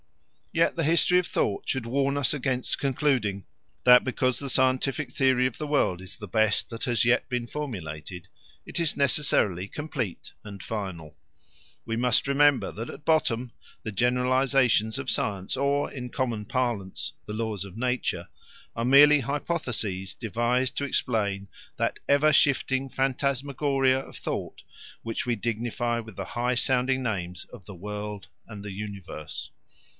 Yet the history of thought should warn us against concluding that because the scientific theory of the world is the best that has yet been formulated, it is necessarily complete and final. We must remember that at bottom the generalisations of science or, in common parlance, the laws of nature are merely hypotheses devised to explain that ever shifting phantasmagoria of thought which we dignify with the high sounding names of the world and the universe.